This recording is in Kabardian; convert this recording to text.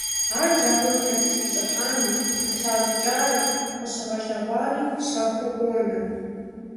Ар джабэм хэт трищӀыхьами, зытращӀыкӀари къыщыгъэлъэгъуари щэхуу къонэ.